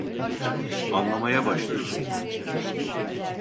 Anlamaya başlıyorum.